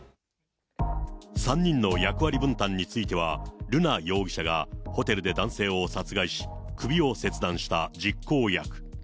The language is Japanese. ３人の役割分担については、瑠奈容疑者がホテルで男性を殺害し、首を切断した実行役。